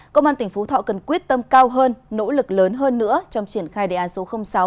công an tỉnh phú thọ cần quyết tâm cao hơn nỗ lực lớn hơn nữa trong triển khai đề án số sáu